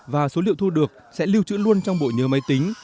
và số liệu thu được sẽ lưu trữ luôn trong một chương trình